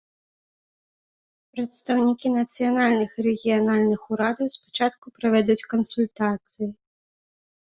Прадстаўнікі нацыянальных і рэгіянальных урадаў спачатку правядуць кансультацыі.